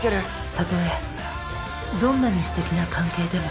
たとえどんなにすてきな関係でも。